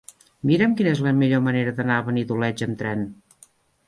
Mira'm quina és la millor manera d'anar a Benidoleig amb tren.